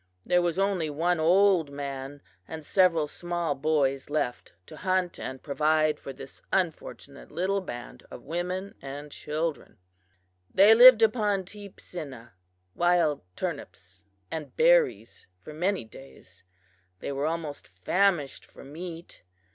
There was only one old man and several small boys left to hunt and provide for this unfortunate little band of women and children. "They lived upon teepsinna (wild turnips) and berries for many days. They were almost famished for meat.